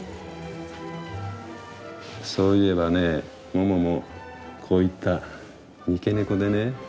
そういえばねモモもこういった三毛猫でね。